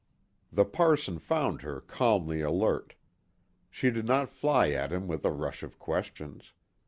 The parson found her calmly alert. She did not fly at him with a rush of questions.